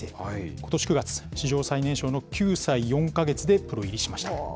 ことし９月、史上最年少の９歳４か月でプロ入りしました。